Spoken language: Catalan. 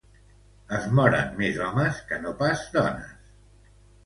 Es moren més homes que no pas dones.